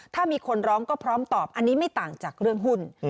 ถ้ามีคนร้องก็พร้อมตอบอันนี้ไม่ต่างจากเรื่องหุ้น